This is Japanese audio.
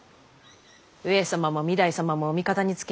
上様も御台様もお味方につけ